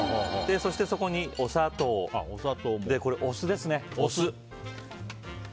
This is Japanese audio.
そして、そこにお砂糖お酢ですね。